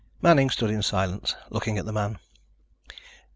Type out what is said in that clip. Manning stood in silence, looking at the man.